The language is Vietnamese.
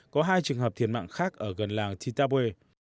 có hai trường hợp thiệt mạng khác ở gần làng titabue